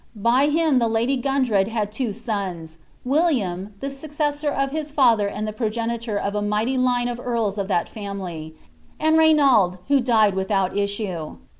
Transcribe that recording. By him the lady Gundred hsil IWO aons, William, the snccessor of his faiher and the progenitor of a oUfitrf line of earls of that family, and Rainold, who died without issue.